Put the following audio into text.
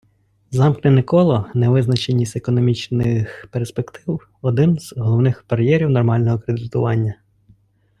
Замкнене коло Невизначеність економічних перспектив — один з головних бар'єрів нормального кредитування.